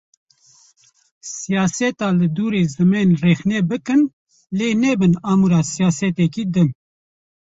Siyaseta li dûrî zimên rexne bikin lê nebin amûra siyaseteke din.